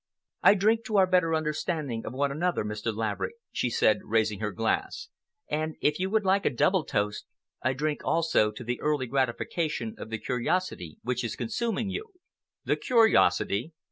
"I drink to our better understanding of one another, Mr. Laverick," she said, raising her glass, "and, if you would like a double toast, I drink also to the early gratification of the curiosity which is consuming you." "The curiosity?"